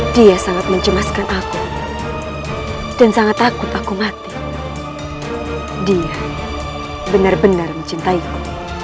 dia sangat mencemaskan aku dan sangat takut aku mati dia benar benar mencintaiku